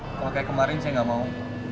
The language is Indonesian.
kalau kayak kemarin saya nggak mau